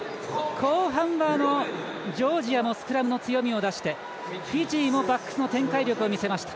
後半は、ジョージアのスクラムの強みを出してフィジーもバックスの展開力を見せました。